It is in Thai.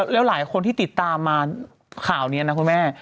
แล้วหลายคนที่ติดตามมาข่าวนี้นะคุณแม่